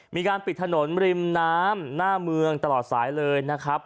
มีการปิดถนนริมน้ำหน้าเมืองตลอดสายเลยนะครับ